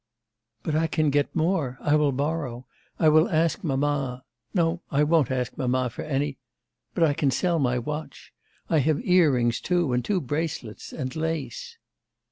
'But I can get more. I will borrow. I will ask mamma.... No, I won't ask mamma for any.... But I can sell my watch.... I have earrings, too, and two bracelets... and lace.